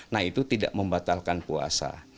nah itu tidak membatalkan puasa